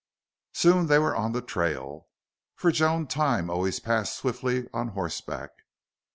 Soon they were on the trail. For Joan time always passed swiftly on horseback.